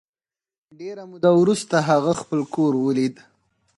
ډېره موده وروسته هغه خپل کور ولید